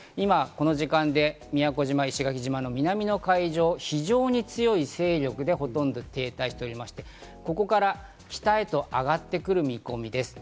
今、この時間で宮古島、石垣島の南の海上、非常に強い勢力でほとんど停滞しておりまして、ここから北へと上がってくる見込みです。